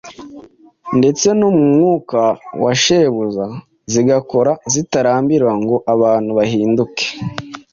ndetse no mu mwuka wa Shebuja zigakora zitarambirwa ngo abantu bahinduke,